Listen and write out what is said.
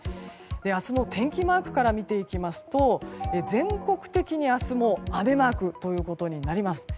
明日の天気マークから見ていきますと全国的に明日も雨マークとなります。